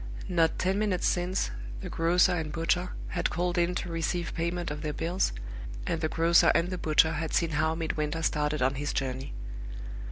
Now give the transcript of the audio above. Not ten minutes since, the grocer and butcher had called in to receive payment of their bills, and the grocer and the butcher had seen how Midwinter started on his journey.